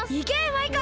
マイカ！